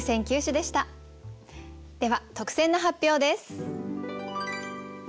では特選の発表です。